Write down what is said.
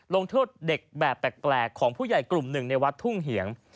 ลงโทษเด็กแบบแปลกของผู้ใหญ่กลุ่มหนึ่งในวัดทุ่งเหียง